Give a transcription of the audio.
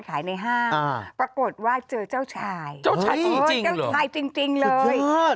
ขายในห้างอ่าปรากฏว่าเจอเจ้าชายเจ้าชายจริงจริงจริงเลยสุดเท่าไหร่